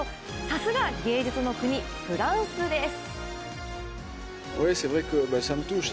さすが芸術の国、フランスです。